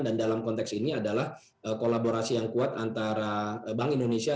dan dalam konteks ini adalah kolaborasi yang kuat antara bank indonesia